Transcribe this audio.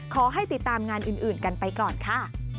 ขอให้ติดตามงานอื่นกันไปก่อนค่ะ